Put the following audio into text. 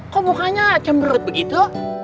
kok mukanya cemberut begitu